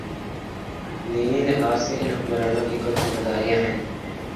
دینی لحاظ سے ان حکمرانوں کی کچھ ذمہ داریاں ہیں۔